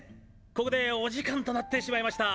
ここでお時間となってしまいました。